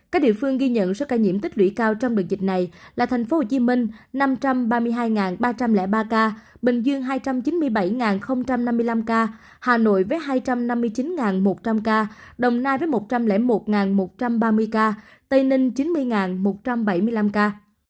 các địa phương ghi nhận số ca nhiễm tích lũy cao trong đợt dịch này là tp hcm năm trăm ba mươi hai ba trăm linh ba ca bình dương hai trăm chín mươi bảy năm mươi năm ca hà nội với hai trăm năm mươi chín một trăm linh ca đồng nai với một trăm linh một một trăm ba mươi ca tây ninh chín mươi một trăm bảy mươi năm ca